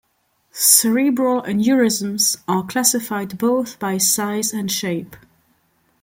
Cerebral aneurysms are classified both by size and shape.